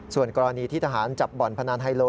ส่วนกรณีที่ทหารจับบ่อนพนันไฮโล